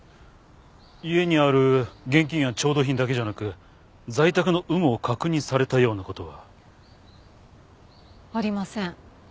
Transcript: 家にある現金や調度品だけじゃなく在宅の有無を確認されたような事は？ありません。